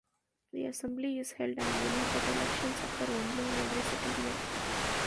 The assembly is held annually, but elections occur only in every second year.